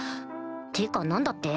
ってか何だって？